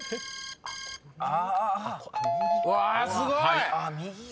うわすごい！